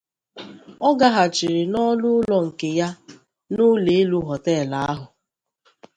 Ọ ga-ghachiri n’ọnụ ụlọ nke ya n’ụlọ-elu họtelụ ahụ.